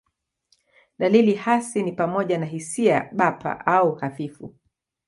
Dalili hasi ni pamoja na hisia bapa au hafifu.